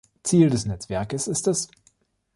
Ziel des Netzwerkes ist es,